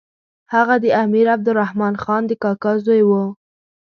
هغه د امیر عبدالرحمن خان د کاکا زوی وو.